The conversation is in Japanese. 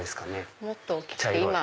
もっと大きくて。